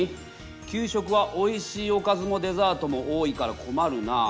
「給食はおいしいおかずもデザートも多いから困るなあ」。